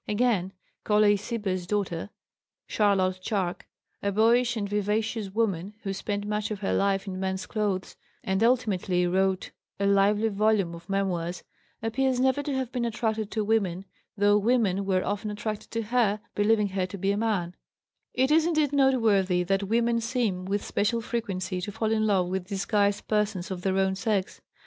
Again, Colley Cibber's daughter, Charlotte Charke, a boyish and vivacious woman, who spent much of her life in men's clothes, and ultimately wrote a lively volume of memoirs, appears never to have been attracted to women, though women were often attracted to her, believing her to be a man; it is, indeed, noteworthy that women seem, with special frequency, to fall in love with disguised persons of their own sex.